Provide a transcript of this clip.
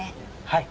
はい。